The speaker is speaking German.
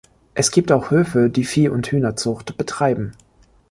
Es gibt auch Höfe, die Vieh- und Hühnerzucht betreiben.